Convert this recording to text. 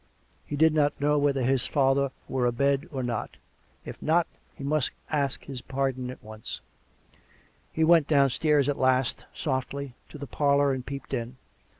He did not know whether his father were abed or not. If not, he must ask his pardon at once. 50 COME RACK! COME ROPE! He went downstairs at last, softly, to the parlour, and peeped in.